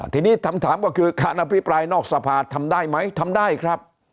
ทีนี้คำถามก็คือการอภิปรายนอกสภาทำได้ไหมทำได้ครับ